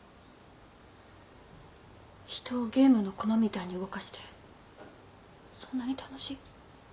人をゲームの駒みたいに動かしてそんなに楽しい？